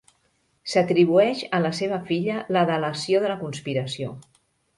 S'atribueix a la seva filla la delació de la conspiració.